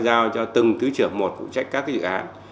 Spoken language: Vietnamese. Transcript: giao cho từng thứ trưởng một phụ trách các dự án